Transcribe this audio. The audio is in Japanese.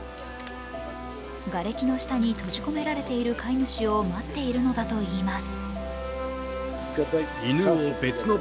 がれきの下に閉じ込められている飼い主を待っているのだといいます。